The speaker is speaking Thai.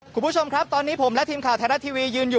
คุณผู้ชมครับตอนนี้ผมและทีมข่าวไทยรัฐทีวียืนอยู่